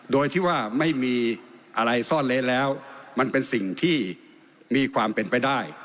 โดยที่ว่าไม่มีอะไรซ่อนเล้นแล้วมันเป็นสิ่งที่มีความเป็นไปได้